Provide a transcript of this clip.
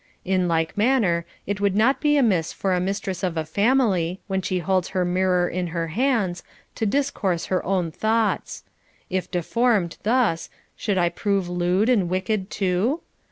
In like manner, it would not be amiss for a mistress of a family, when she holds her mirror in her hands, to discourse her own thoughts :— if deformed, thus, Should I prove lewd and wicked too